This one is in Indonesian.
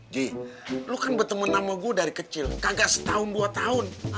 ji lo kan berteman sama gue dari kecil kagak setahun dua tahun